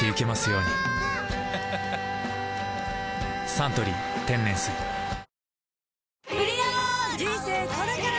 「サントリー天然水」人生これから！